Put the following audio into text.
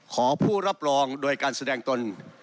ขอผู้รับรองโดยการแสดงตน